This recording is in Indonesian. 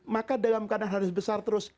maka dalam keadaan harus besar terus